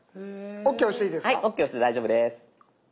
「ＯＫ」押して大丈夫です。